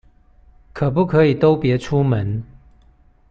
可不可以都別出門